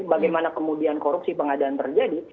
bagaimana kemudian korupsi pengadaan terjadi